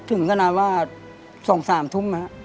ถึงก็นานว่า๒๓ทุ่มนะ